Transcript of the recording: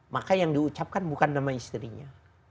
maka yang diucapkan bukan nama istrinya